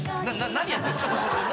何やってんすか？